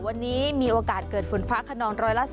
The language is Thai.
วันนี้มีโอกาสเกิดฝนฟ้าขนอง๑๓